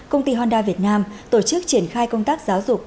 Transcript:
công ty honda việt nam tổ chức triển khai công tác giáo dục